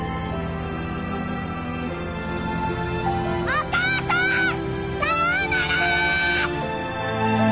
お母さーん！